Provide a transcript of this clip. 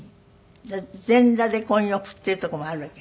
じゃあ全裸で混浴っていう所もあるわけ？